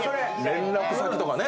連絡先とかね。